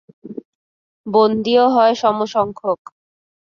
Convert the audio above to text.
বন্দিও হয় সমসংখ্যক।